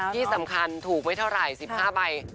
ที่สำคัญถูกไม่เท่าไหร่๑๕ใบ